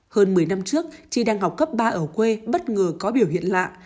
hơn một mươi năm trước chi đang học cấp ba ở quê bất ngờ có biểu hiện lạ